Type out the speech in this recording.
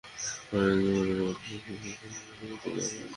ফলে নিবন্ধনের কাজে সকাল থেকে দুপুর পর্যন্ত ধীর গতি দেখা যায়।